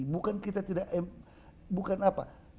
bukan kita tidak bukan apa